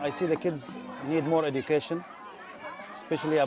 saya melihat anak anak di sini membutuhkan lebih banyak pendidikan